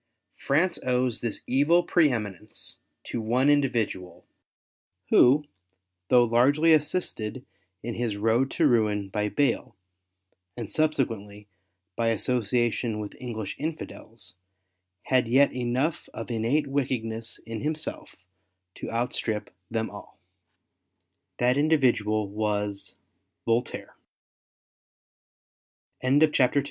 France owes this evil pre eminence to one individual, who, though largely assisted in his road to ruin by Bayle, and subsequently by association with English Infidels, had yet enough of innate Avicked ness in himself to outstrip them all. That